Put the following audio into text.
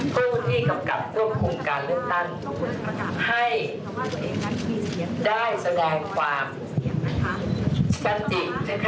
ผู้ที่กำกับท่วมโครงการเลือกตั้งให้ได้แสดงความสันติกนะครับ